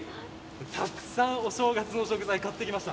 たくさん、お正月の食材を買ってきました。